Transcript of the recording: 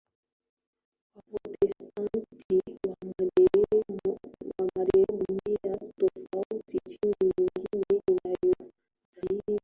Waprotestanti wa madhehebu mia tofauti Nchi nyingine inayozalisha